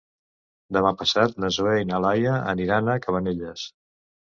Demà passat na Zoè i na Laia aniran a Cabanelles.